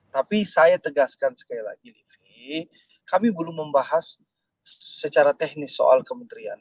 tapi saya tegaskan sekali lagi livi kami belum membahas secara teknis soal kementerian